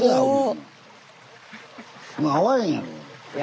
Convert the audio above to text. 会わへんやろ。